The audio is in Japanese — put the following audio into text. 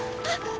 あっ。